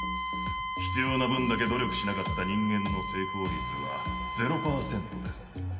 必要な分だけ努力しなかった人間の成功率は０％です。